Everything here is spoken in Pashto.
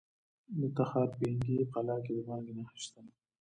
د تخار په ینګي قلعه کې د مالګې نښې شته.